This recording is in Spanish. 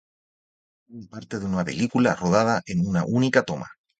Es la parte de una película rodada en una única toma.